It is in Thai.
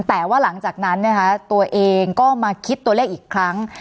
แต่ว่าหลังจากนั้นนะคะตัวเองก็มาคิดตัวเลขอีกครั้ง